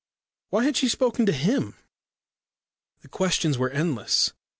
Why had she spoken to him? The questions were endless.